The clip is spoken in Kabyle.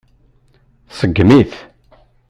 Tseggem-it.